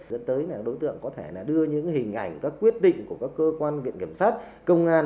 dẫn tới là đối tượng có thể đưa những hình ảnh các quyết định của các cơ quan viện kiểm sát công an